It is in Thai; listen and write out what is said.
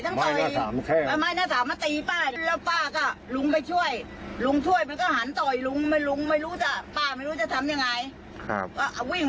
ก็วิ่งมาเอามีดไอ้ผลไม้อันนี้น้อยนั่นนั่นน่ะจึงไปปากมันนะป้าไม่ได้แทง